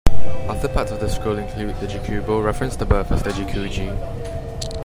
Other parts of the scroll include the "jikubo" referenced above as the jikugi.